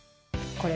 これ？